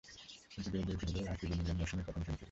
কিন্তু বেশ দেরিতে হলেও আজ তুলে নিলেন মৌসুমের প্রথম সেঞ্চুরি।